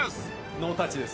ノータッチです。